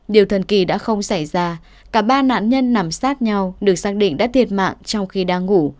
điều thần kỳ đã không xảy ra cả ba nạn nhân nằm sát nhau được xác định đã thiệt mạng trong khi đang ngủ